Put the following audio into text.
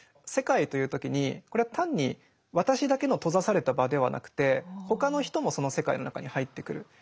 「世界」と言う時にこれは単に私だけの閉ざされた場ではなくて他の人もその世界の中に入ってくる。